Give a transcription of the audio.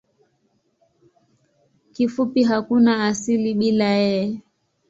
Kifupi hakuna asili bila yeye.